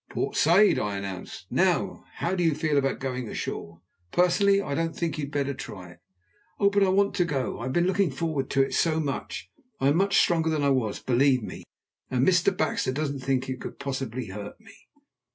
"Port Said," I announced. "Now, how do you feel about going ashore? Personally, I don't think you had better try it." "Oh! but I want to go. I have been looking forward to it so much. I am much stronger than I was, believe me, and Mr. Baxter doesn't think it could possibly hurt me."